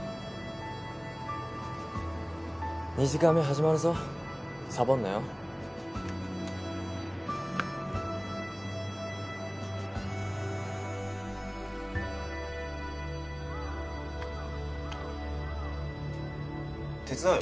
２時間目始まるぞサボんなよ手伝うよ